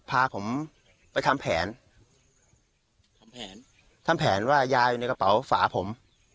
พาผมไปทำแผนทำแผนทำแผนว่ายายอยู่ในกระเป๋าฝาผม